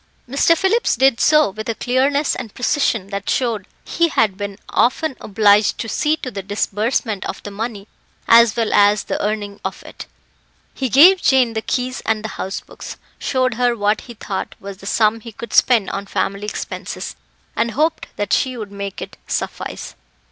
Mr. Phillips did so with a clearness and precision that showed he had been often obliged to see to the disbursement of the money as well as the earning if it. He gave Jane the keys and the house books, showed her what he thought was the sum he could spend on family expenses, and hoped that she would make it suffice.